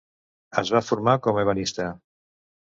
Es va formar com ebenista.